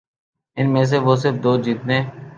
ان میں سے وہ صرف دو جیتنے